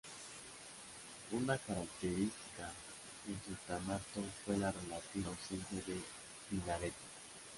Una característica del sultanato fue la relativa ausencia de minaretes.